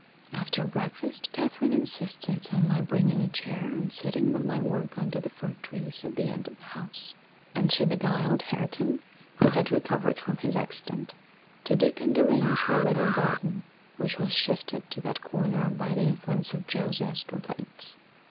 After breakfast, Catherine insisted on my bringing a chair and sitting with my work under the fir trees at the end of the house; and she beguiled Hareton, who had recovered from his accident, to dig and arrange her little garden, which was shifted to that corner by the influence of Joseph's complaints.